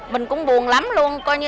mình cũng buồn lắm luôn